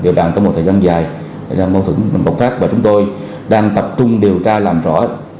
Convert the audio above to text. địa bàn có một thời gian dài để làm mâu thuẫn bọc phát và chúng tôi đang tập trung điều tra làm rõ